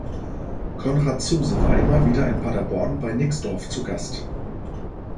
Konrad Zuse war immer wieder in Paderborn bei Nixdorf zu Gast.